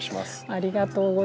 ありがとうございます。